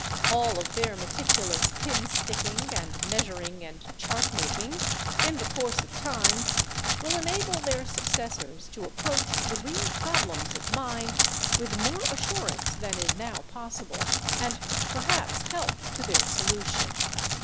All of their meticulous pin sticking and measuring and chart making, in the course of time, will enable their successors to approach the real problems of mind with more assurance than is now possible, and perhaps help to their solution.